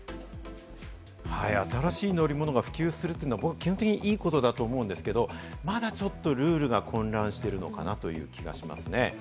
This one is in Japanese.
新しい乗り物が普及するのは基本的にいいことだと思うんですけど、まだちょっとルールが混乱しているのかなという気がしますね。